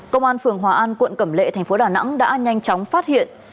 công an phường hòa an quận cẩm lệ thành phố đà nẵng đã nhanh chóng phát hiện